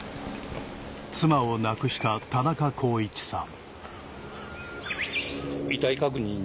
妻を亡くした田中公一さん